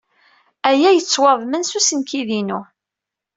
Aya yettwaḍmen s usenkid-inu?